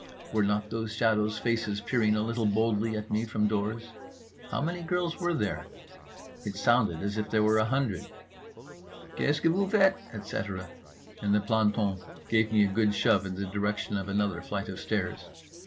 Were not those shadows' faces peering a little boldly at me from doors? How many girls were there—it sounded as if there were a hundred— "Qu'est ce que vous faites," etc., and the planton gave me a good shove in the direction of another flight of stairs.